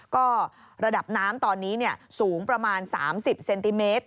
ก็ระดับน้ำตอนนี้สูงประมาณ๓๐เซนติเมตร